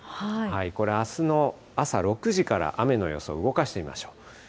これ、あすの朝６時から雨の予想、動かしてみましょう。